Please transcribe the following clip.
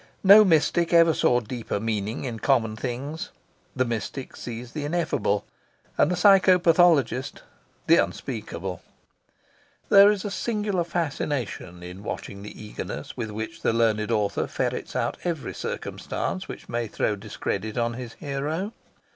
No mystic ever saw deeper meaning in common things. The mystic sees the ineffable, and the psycho pathologist the unspeakable. There is a singular fascination in watching the eagerness with which the learned author ferrets out every circumstance which may throw discredit on his hero.